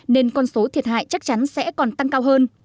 nên con số thiệt hại chắc chắn sẽ còn tăng cao hơn